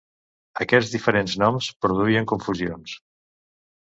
Aquests diferents noms produïen confusions.